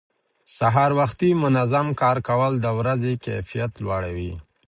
سهار وختي منظم کار کول د ورځې کیفیت لوړوي